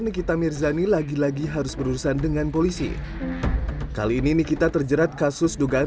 nikita mirzani lagi lagi harus berurusan dengan polisi kali ini nikita terjerat kasus dugaan